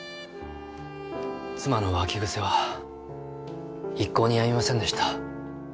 妻の浮気癖は一向にやみませんでした。